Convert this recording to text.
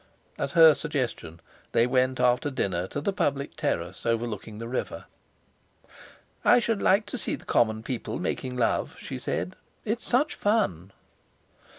At her suggestion they went after dinner to the public terrace overlooking the river. "I should like to see the common people making love," she said, "it's such fun!"